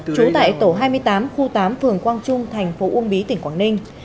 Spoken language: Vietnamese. trú tại tổ hai mươi tám khu tám phường quang trung thành phố uông bí tỉnh quảng ninh